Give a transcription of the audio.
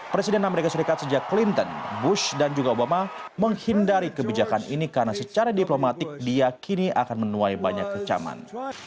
presiden amerika serikat sejak clinton bush dan juga obama menghindari kebijakan ini karena secara diplomatik diakini akan menuai banyak kecaman